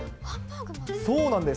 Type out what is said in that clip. そうなんです。